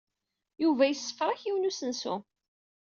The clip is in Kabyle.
Yuba yessefrak yiwen n usensu.